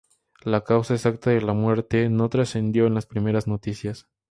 La causa exacta de la muerte no trascendió en las primeras noticias.